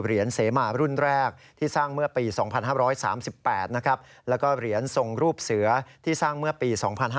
เปรียรบรจงศาสตร์เสมารุ่นแรกที่สร้างเมื่อปี๒๕๓๘และก็เปรียรบรจงศาสตร์สงฆ์รูปเสือที่สร้างเมื่อปี๒๕๔๙